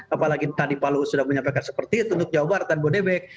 apalagi tadi pak luhut sudah menyampaikan seperti itu untuk jawa barat dan bodebek